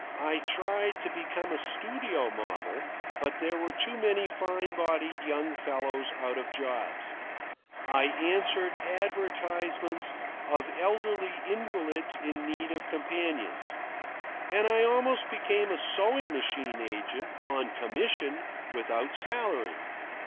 I tried to become a studio model, but there were too many fine bodied young fellows out of jobs. I answered advertisements of elderly invalids in need of companions. And I almost became a sewing machine agent, on commission, without salary.